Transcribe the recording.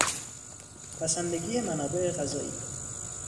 بسندگی منابع غذایی